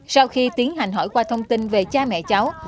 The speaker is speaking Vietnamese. sau khi tiến hành hỏi qua thông tin về cha mẹ cháu